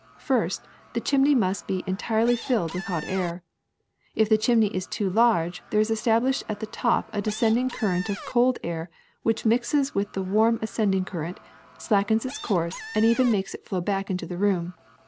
First, the chimney must be entirely filled with hot air. If the channel is too large there is established at the top a descending current of cold air which mixes with the warm ascending current, slackens its course, and even makes it flow back into the room.